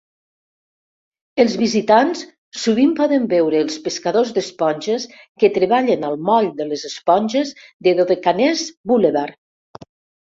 Els visitants sovint poden veure els pescadors d'esponges que treballen al moll de les esponges de Dodecanese Boulevard.